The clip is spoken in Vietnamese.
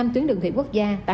năm tuyến đường thủy quốc gia